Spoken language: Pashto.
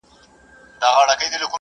که حضوري تدريس وسي عملي پوهاوی زياتېږي.